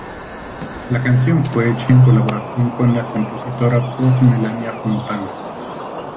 La canción fue hecha en colaboración con la compositora pop Melania Fontana.